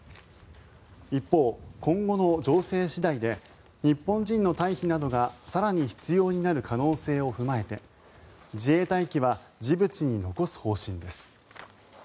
一方、今後の情勢次第で日本人の退避などが更に必要になる可能性を踏まえて自衛隊機はジブチに残す方針です。